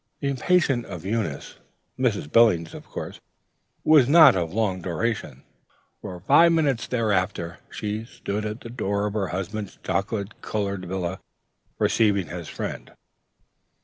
The impatience of Eunice (Mrs. Billings, of course) was not of long duration; for in five minutes thereafter she stood at the door of her husband's chocolate colored villa, receiving his friend....